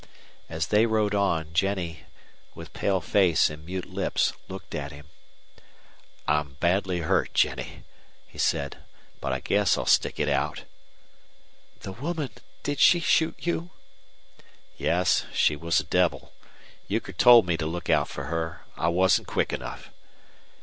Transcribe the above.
As they rode on, Jennie, with pale face and mute lips, looked at him. "I'm badly hurt, Jennie," he said, "but I guess I'll stick it out." "The woman did she shoot you?" "Yes. She was a devil. Euchre told me to look out for her. I wasn't quick enough."